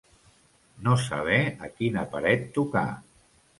No saber a quina paret tocar.